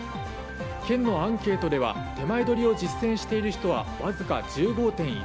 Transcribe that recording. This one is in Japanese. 県のアンケートではてまえどりを実践している人はわずか１５．１％。